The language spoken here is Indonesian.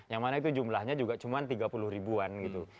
yang mana itu jumlahnya juga cuma tiga puluh ribuan gitu